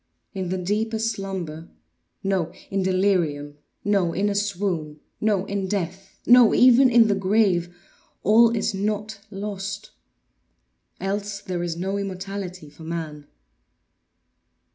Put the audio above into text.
In the deepest slumber—no! In delirium—no! In a swoon—no! In death—no! even in the grave all is not lost. Else there is no immortality for man.